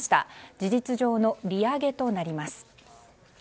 事実上の利上げとなります。